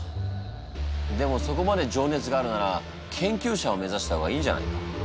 でもそこまで情熱があるなら研究者を目指した方がいいんじゃないか？